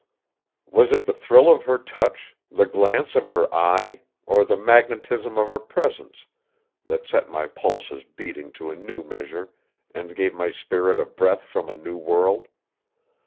Was it the thrill of her touch, the glance of her eye, or the magnetism of her presence, that set my pulses beating to a new measure, and gave my spirit a breath from a new world?